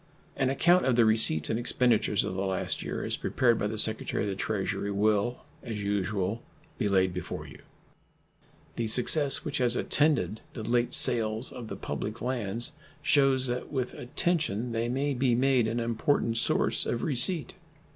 An account of the receipts and expenditures of the last year, as prepared by the Secretary of the Treasury, will, as usual, be laid before you. The success which has attended the late sales of the public lands shews that with attention they may be made an important source of receipt.